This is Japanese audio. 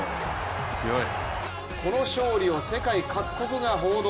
この勝利を世界各国が報道。